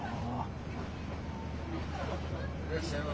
いらっしゃいませ。